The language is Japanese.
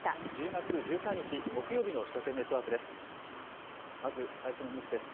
１０月１３日木曜日の首都圏ネットワークです。